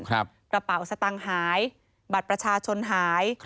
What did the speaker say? กระเป๋าสตังค์หายบัตรประชาชนหาย